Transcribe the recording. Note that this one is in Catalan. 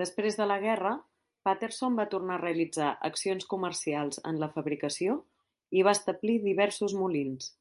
Després de la guerra, Patterson va tornar a realitzar accions comercials en la fabricació i va establir diversos molins.